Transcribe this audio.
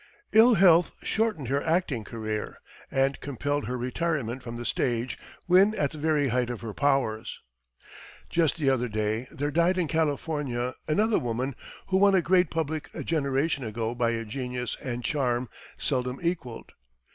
Ill health shortened her acting career, and compelled her retirement from the stage when at the very height of her powers. Just the other day there died in California another woman who won a great public a generation ago by a genius and charm seldom equalled.